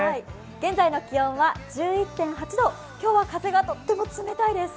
現在の気温は１１．８度今日は風がとっても冷たいです。